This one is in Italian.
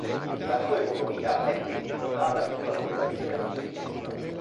La sua economia è quindi fondata sulla popolazione studentesca.